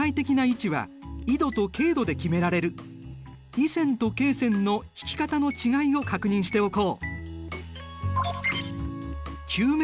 緯線と経線の引き方の違いを確認しておこう。